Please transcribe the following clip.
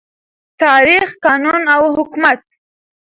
تاریخ، قانون او حکومت